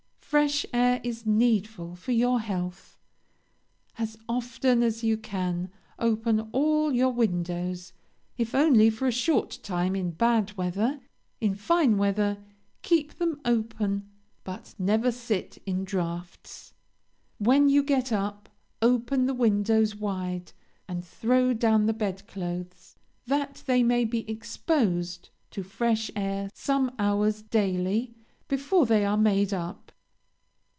"Fresh air is needful for your health. As often as you can, open all your windows, if only for a short time in bad weather; in fine weather, keep them open, but never sit in draughts. When you get up, open the windows wide, and throw down the bed clothes, that they may be exposed to fresh air some hours, daily, before they are made up.